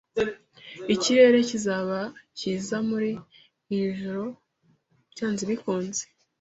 Ikirere kizaba cyiza muri iri joro byanze bikunze.